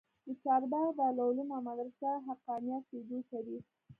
د چارباغ دارالعلوم او مدرسه حقانيه سېدو شريف